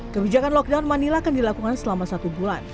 kebijakan lockdown manila akan dilakukan selama satu bulan